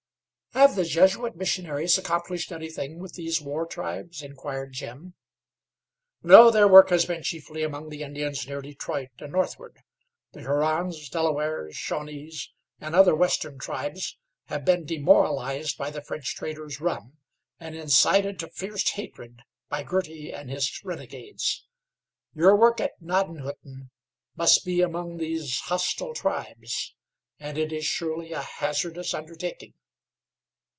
"Have the Jesuit missionaries accomplished anything with these war tribes?" inquired Jim. "No; their work has been chiefly among the Indians near Detroit and northward. The Hurons, Delawares, Shawnees and other western tribes have been demoralized by the French traders' rum, and incited to fierce hatred by Girty and his renegades. Your work at Gnaddenhutten must be among these hostile tribes, and it is surely a hazardous undertaking."